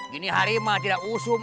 gini hari mah tidak usum